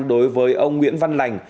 đối với ông nguyễn văn lành